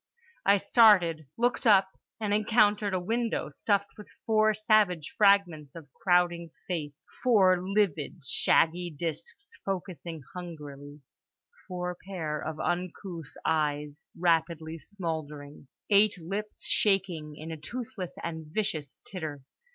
I started, looked up, and encountered a window stuffed with four savage fragments of crowding Face: four livid, shaggy disks focussing hungrily; four pair of uncouth eyes rapidly smouldering; eight lips shaking in a toothless and viscous titter.